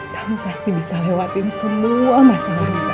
kamu pasti bisa lewatin semua masalah disana